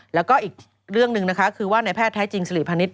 แล้วก็อีกเรื่องหนึ่งนะคะคือว่าในแพทย์แท้จริงสิริพาณิชย